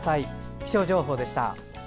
気象情報でした。